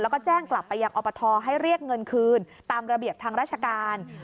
แล้วก็แจ้งกลับไปยังอบทให้เรียกเงินคืนตามระเบียบทางราชการ